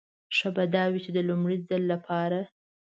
ښه به دا وي چې د لومړي ځل لپاره.